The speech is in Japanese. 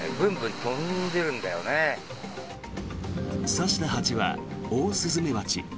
刺した蜂はオオスズメバチ。